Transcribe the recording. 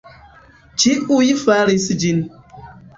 Ĉiuj faris ĝin.